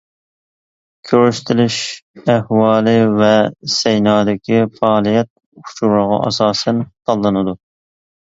كۆرسىتىلىش ئەھۋالى ۋە سەينادىكى پائالىيەت ئۇچۇرىغا ئاساسەن تاللىنىدۇ.